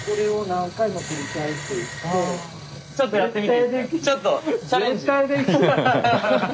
ちょっとやってみて。